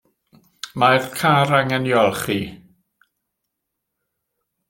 Mae'r car angen 'i olchi.